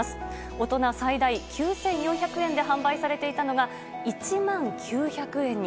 大人、最大９４００円で販売されていたのが１万９００円に。